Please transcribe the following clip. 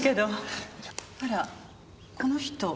あらこの人。